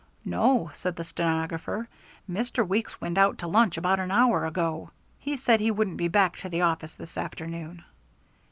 "No," said the stenographer; "Mr. Weeks went out to lunch about an hour ago. He said he wouldn't be back to the office this afternoon."